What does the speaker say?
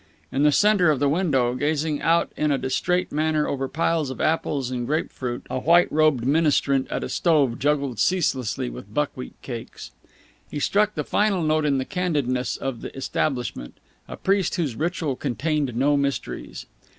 In the centre of the window, gazing out in a distrait manner over piles of apples and grape fruit, a white robed ministrant at a stove juggled ceaselessly with buckwheat cakes. He struck the final note in the candidness of the establishment, a priest whose ritual contained no mysteries.